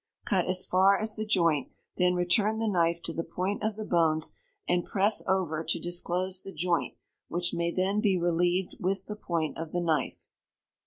Cut as far as the joint, then return the knife to the point of the bones, and press over, to disclose the joint, which may then be relieved with the point of the knife.